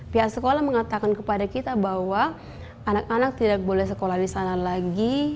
pihak sekolah mengatakan kepada kita bahwa anak anak tidak boleh sekolah di sana lagi